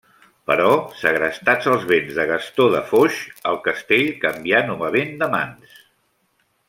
Però segrestats els béns de Gastó de Foix, el castell canvià novament de mans.